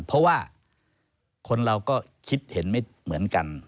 เพราะว่าคนเราก็คิดเห็นไม่เหมือนกัน